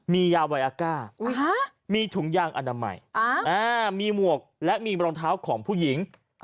มียาไวอาก้ามีถุงยางอนามัยมีหมวกและมีรองเท้าของผู้หญิง